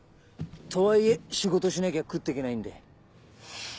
とはいえ仕事しなきゃ食ってけないんで。